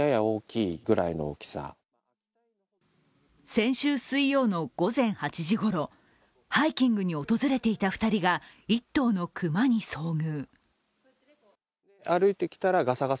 先週水曜の午前８時ごろハイキングに訪れていた２人が１頭の熊に遭遇。